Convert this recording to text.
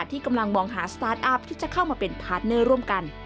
ที่กำลังมองหาสตาร์ทอัพที่จะเข้ามาเป็นพาร์ทเนอร์ร่วมกัน